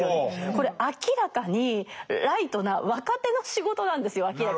これ明らかにライトな若手の仕事なんですよ明らかに。